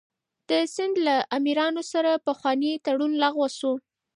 د سند له امیرانو سره پخوانی تړون لغوه شو.